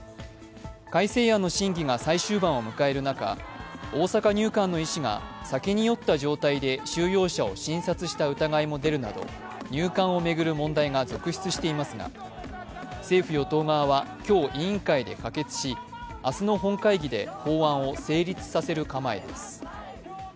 改正案の審議が最終盤を迎える中、大阪入管の医師が酒に酔った状態で収容者を診察した疑いが出るなど入管を巡る問題が続出していますが政府・与党側は今日、委員会で可決し、明日の本会議で法案を成立させる構えです。